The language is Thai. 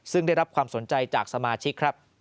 ซึ่งได้รับความสนใจจากสมาชิกครับ